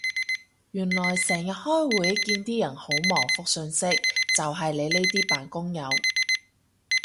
原來成日開會見啲人好忙覆訊息就係你呢啲扮工友